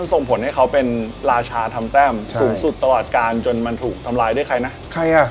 ส่งผลให้เขาเป็นราชาทำแต้มสูงสุดตลอดการจนมันถูกทำลายด้วยใครนะใครอ่ะ